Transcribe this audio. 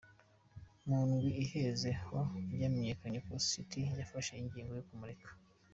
Mu ndwi iheze ni ho vyamenyekanye ko City yafashe ingingo yo kumureka.